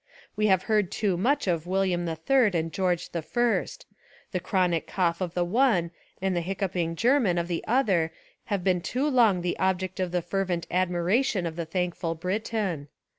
We have heard too much of William III and George I; the chronic cough of the one and the hiccough ing German of the other have been too long the object of the fervent admiration of the thankful Briton.